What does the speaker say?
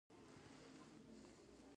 ایا د فشار هولټر مو تړلی دی؟